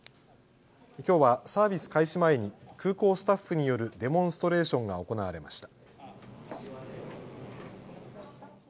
きょうはサービス開始前に空港スタッフによるデモンストレーションが行われました。